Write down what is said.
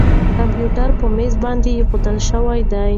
کمپیوټر په مېز باندې اېښودل شوی دی.